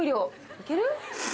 行ける？